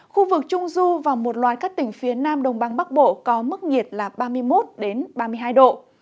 khu vực trung du và một loạt các tỉnh phía nam đồng băng bắc bộ có mức nhiệt là ba mươi một ba mươi hai độ